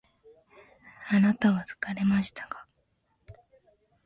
あなたは疲れましたか？